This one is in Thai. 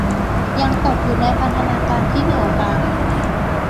ยังตกอยู่ในพันธนาการที่เหนี่ยวรั้ง